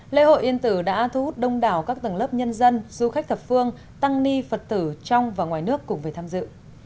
lễ hội yên tử đã thu hút đông đảo các tầng lớp nhân dân du khách thập phương tăng ni phật tử trong và ngoài nước cùng về tham dự